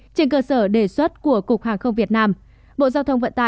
trên cơ sở đề xuất của cục hàng không việt nam